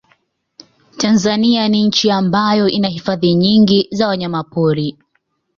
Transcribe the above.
Tanzania ni nchi ambayo ina hifadhi nyingi za wanyamapori